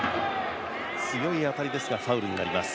強い当たりですがファウルになります。